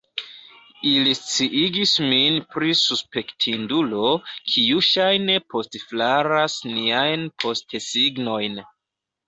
Ili sciigis min pri suspektindulo, kiu ŝajne postflaras niajn postesignojn.